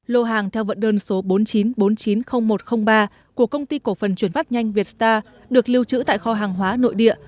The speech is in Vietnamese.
lô hàng theo vận đơn số bốn chín bốn chín không một không ba của công ty cổ phần chuyển vắt nhanh vietstar được lưu trữ tại kho hàng hóa nội địa